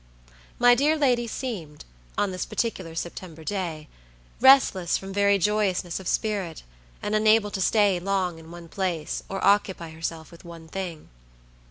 My dear lady seemed, on this particular September day, restless from very joyousness of spirit, and unable to stay long in one place, or occupy herself with one thing.